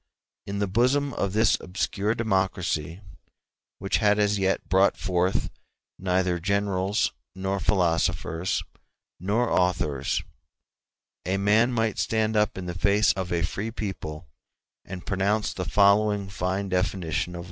In the bosom of this obscure democracy, which had as yet brought forth neither generals, nor philosophers, nor authors, a man might stand up in the face of a free people and pronounce the following fine definition of liberty.